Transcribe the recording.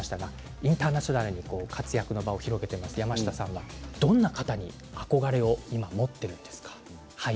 インターナショナルに活躍の場を広げています山下さんはどんな方に憧れを今持っているんですか。